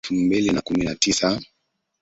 tangu mwaka elfu mbili na kumi na tisa